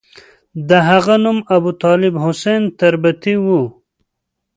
د هغه نوم ابوطالب حسین تربتي وو.